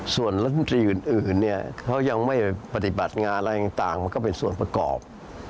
ส่วนรัฐมนตรีอื่นเนี่ยเขายังไม่ปฏิบัติงานอะไรต่างมันก็เป็นส่วนประกอบ